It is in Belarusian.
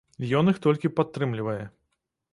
Ён іх толькі падтрымлівае.